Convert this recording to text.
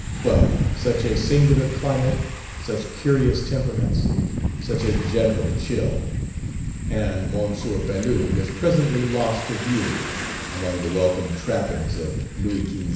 But such a singular climate, such curious temperaments, such a general chill! And M. Pelouse was presently lost to view among the welcome trappings of Louis Quinze.